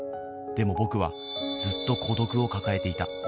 でも僕はずっと孤独を抱えていた